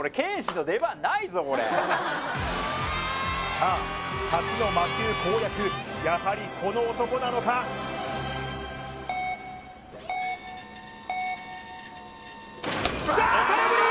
さあ初の魔球攻略やはりこの男なのかわーっ空振り！